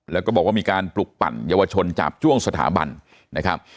แล้วก็บอกว่ามีการปลุกปั่นเยาวชนจาบจ้วงสถาบันนะครับ